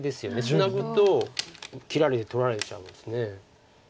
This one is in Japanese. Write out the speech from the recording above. ツナぐと切られて取られちゃうんです。